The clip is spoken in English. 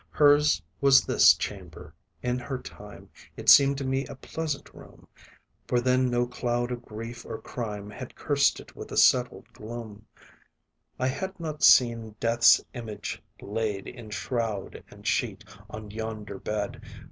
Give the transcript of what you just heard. Hers was this chamber; in her time It seemed to me a pleasant room, For then no cloud of grief or crime Had cursed it with a settled gloom; I had not seen death's image laid In shroud and sheet, on yonder bed.